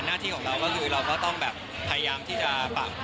หน้าที่ของเราก็คือเราก็ต้องแบบพยายามที่จะปรับ